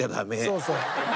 そうそう。